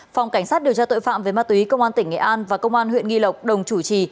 phòng cảnh sát điều tra tội phạm về ma túy công an tỉnh nghệ an và công an huyện nghi lộc đồng chủ trì